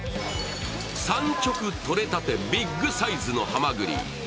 産直取れたてビッグサイズのはまぐり。